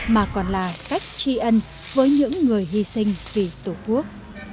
mà còn là cách tri ân với những người hy sinh vì tổ quốc